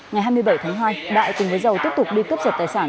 ngày hai mươi bảy tháng hai đại cùng với giàu tiếp tục đi cướp sợi tài sản